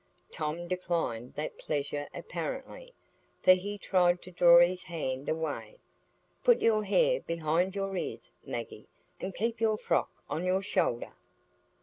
Tom declined that pleasure apparently, for he tried to draw his hand away. "Put your hair behind your ears, Maggie, and keep your frock on your shoulder."